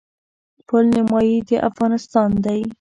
پل نیمايي د افغانستان دی.